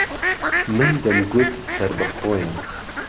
من دهمگوت سەر به خۆيه